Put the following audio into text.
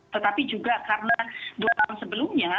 tetapi juga karena dua tahun sebelumnya